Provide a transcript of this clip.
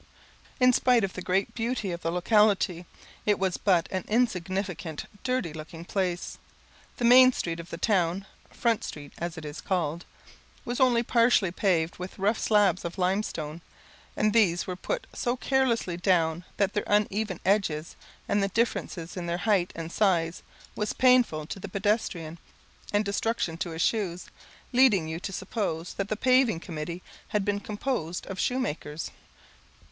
In spite of the great beauty of the locality, it was but an insignificant, dirty looking place. The main street of the town (Front street, as it is called) was only partially paved with rough slabs of limestone, and these were put so carelessly down that their uneven edges, and the difference in their height and size, was painful to the pedestrian, and destruction to his shoes, leading you to suppose that the paving committee had been composed of shoemakers.